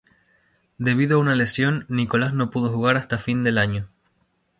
Debido a una lesión, Nicolás no pudo jugar hasta fin del año.